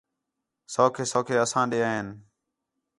سوکھے سوکھے اساں ݙے این